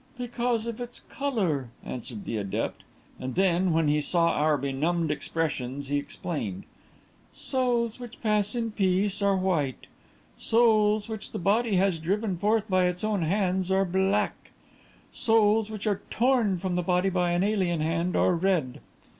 "Because of its colour," answered the adept; and then, when he saw our benumbed expressions, he explained. "Souls which pass in peace are white; souls which the body has driven forth by its own hands are black; souls which are torn from the body by an alien hand are red.